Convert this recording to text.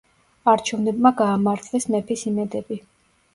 არჩევნებმა გაამართლეს მეფის იმედები.